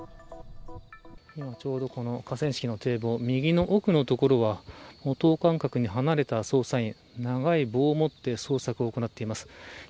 今、ちょうどこの河川敷の堤防右の奥の所は等間隔に離れた捜査員長い棒を持って捜索を行っています。